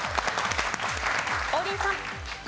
王林さん。